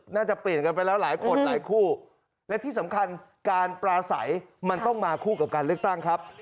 คุณวิโรธลักษณาอดิษรครับ